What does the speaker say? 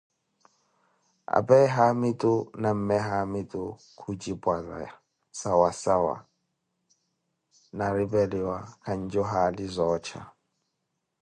apee haamitu na mme hamitu khujipwaza sawa sawa, na ripeliwa kanju haali za oripa.